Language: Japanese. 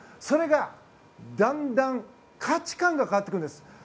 それがだんだん価値観が変わってくるんです。